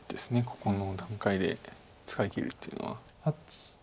ここの段階で使いきるというのは。